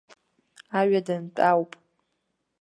Аҩадантә ауп.